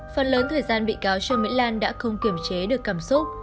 phần lớn thời gian bị cáo trương mỹ lan đã không kiểm chế được cảm xúc